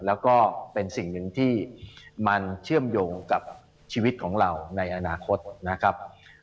แล้วก็เป็นสิ่งหนึ่งที่มันเชื่อมโยงกับชีวิตของเราในอนาคตนะครับ